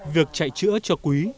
việc chạy chữa cho quý